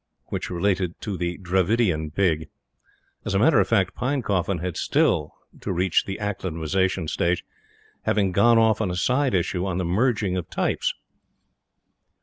Which related to the Dravidian Pig. As a matter of fact, Pinecoffin had still to reach the acclimatization stage; having gone off on a side issue on the merging of types.